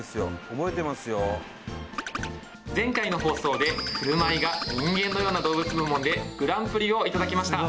前回の放送で振る舞いが人間のような動物部門でグランプリをいただきました